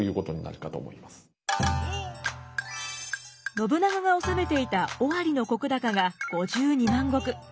信長が治めていた尾張の石高が５２万石。